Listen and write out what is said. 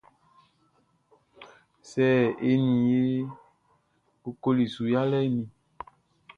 Sɛ e ni i e kokoli su yalɛʼn ni?